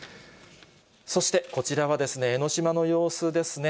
そしてこちらは、江の島の様子ですね。